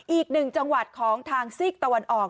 อีกหนึ่งจังหวัดของทางซีกตะวันออก